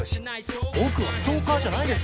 僕はストーカーじゃないです！